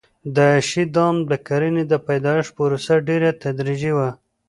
د عیاشۍ دام د کرنې د پیدایښت پروسه ډېره تدریجي وه.